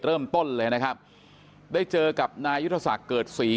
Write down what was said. เริ่มต้นเลยนะครับได้เจอกับนายุทธศักดิ์เกิดศรี